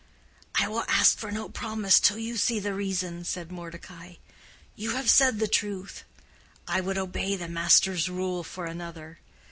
"I will ask for no promise till you see the reason," said Mordecai. "You have said the truth: I would obey the Master's rule for another.